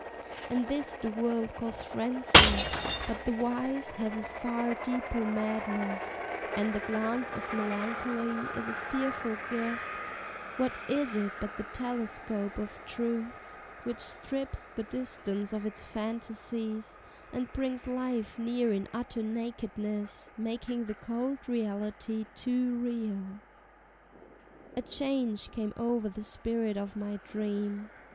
And this the world calls frenzy; but the wise Have a far deeper madness, and the glance Of melancholy is a fearful gift; What is it but the telescope of truth, Which strips the distance of its fantasies, And brings life near in utter nakedness, Making the cold reality too real! A change came o'er the spirit of my dream.